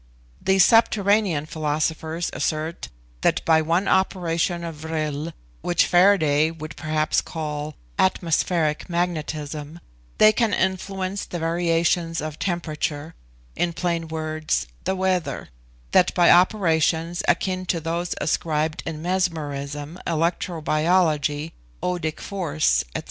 These subterranean philosophers assert that by one operation of vril, which Faraday would perhaps call 'atmospheric magnetism,' they can influence the variations of temperature in plain words, the weather; that by operations, akin to those ascribed to mesmerism, electro biology, odic force, &c.